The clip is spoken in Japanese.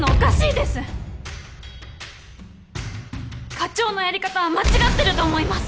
課長のやり方は間違ってると思います。